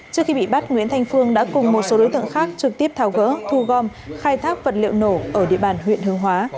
trước khi bị bắt nguyễn thanh phương đã cùng một số đối tượng khác trực tiếp tháo gỡ thu gom khai thác vật liệu nổ ở địa bàn huyện hương hóa